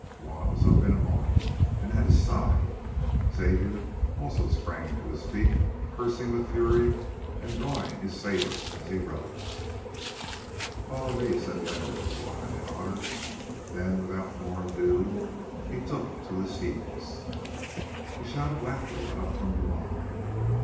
Juanna was up in a moment and at his side. Xavier also sprang to his feet, cursing with fury and drawing his sabre as he rose. "Follow me," said Leonard to Juanna and Otter. Then without more ado he took to his heels. A shout of laughter went up from the mob.